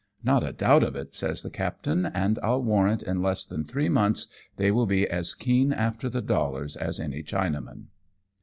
"Not a doubt of it/' says the captain^ "and I'll warrant, in less than three months they will be as keen after the dollars as any Chinaman."